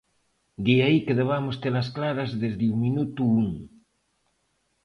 De aí que debamos telas claras desde o minuto un.